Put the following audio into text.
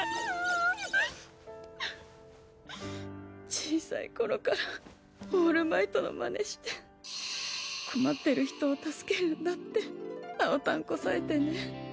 小さい頃からオールマイトの真似して困ってる人を救けるんだって青タンこさえてね。